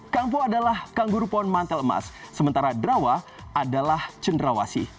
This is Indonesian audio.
kampo adalah kangguru pon mantel emas sementara drawa adalah cendrawasi